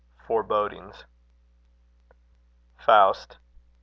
FOREBODINGS. Faust.